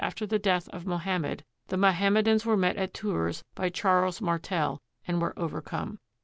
after the death of Mohammed, the Mohammedans were met! at Tours by Charles Martel and were overcome.